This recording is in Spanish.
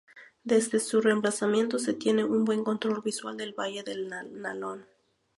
Desde su emplazamiento se tiene un buen control visual del Valle del Nalón.